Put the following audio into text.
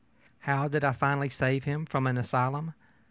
How did I finally save him from an asylum?